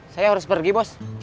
saya harus pergi bos